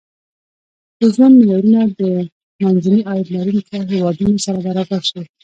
د ژوند معیارونه د منځني عاید لرونکو هېوادونو سره برابر شي.